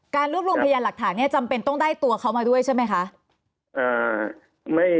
รวบรวมพยานหลักฐานเนี่ยจำเป็นต้องได้ตัวเขามาด้วยใช่ไหมคะ